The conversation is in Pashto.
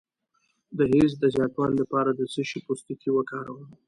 د حیض د زیاتوالي لپاره د څه شي پوستکی وکاروم؟